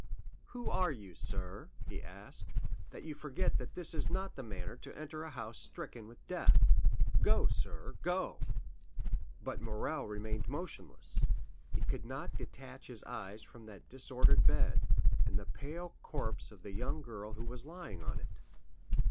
"Who are you, sir," he asked, "that forget that this is not the manner to enter a house stricken with death? Go, sir, go!" But Morrel remained motionless; he could not detach his eyes from that disordered bed, and the pale corpse of the young girl who was lying on it.